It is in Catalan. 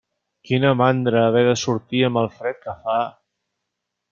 Quina mandra, haver de sortir amb el fred que fa.